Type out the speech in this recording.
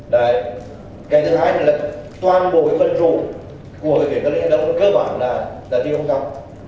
cái thứ hai là toàn bộ phân rụng của tân lý hệ đống cơ bản là thi công tắc